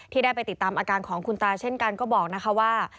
ได้ไปติดตามอาการของคุณตาเช่นกันก็บอกนะคะว่า